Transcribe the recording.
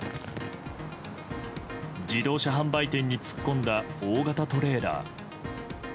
自動車販売店に突っ込んだ大型トレーラー。